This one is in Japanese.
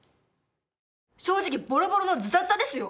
正直ボロボロのズタズタですよ。